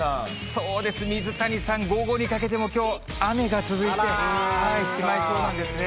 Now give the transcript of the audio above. そうです、水谷さん、午後にかけても、きょう、雨が続いてしまいそうなんですね。